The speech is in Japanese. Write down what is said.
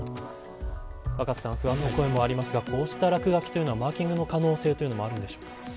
若狭さん、不安の声もありますがこうした落書きはマーキングの可能性もあるんでしょうか。